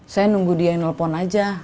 saya nunggu dia yang nelfon aja